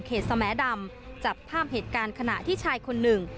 เขตสแม้ดำจับพร่ามเหตุการณ์ขณะที่ชายคนนึง